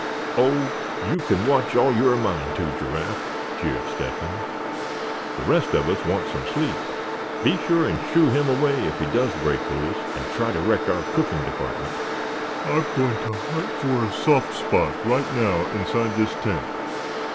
"Oh! you c'n watch all you're a mind to, Giraffe," jeered Step hen; "the rest of us want some sleep. Be sure and shoo him away if he does break loose, and try to wreck our cooking department. I'm going to hunt for a soft spot right now inside this tent.